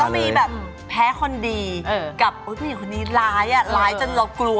มันต้องมีแบบแพ้คนดีกับผู้หญิงคนนี้ร้ายร้ายจนเรากลัว